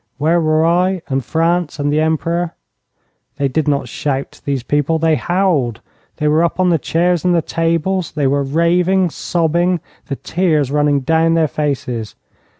Where were I, and France, and the Emperor? They did not shout, these people they howled. They were up on the chairs and the tables. They were raving, sobbing, the tears running down their faces.